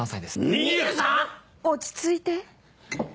２３⁉落ち着いて。